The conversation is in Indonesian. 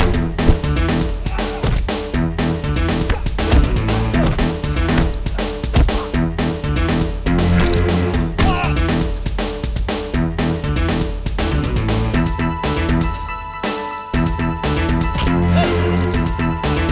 jangan bikin malu black cobra